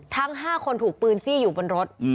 ทั้ง๕คนถูกปืนจี้อยู่บนรถ